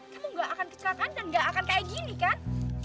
kamu gak akan kecelakaan dan gak akan kayak gini kan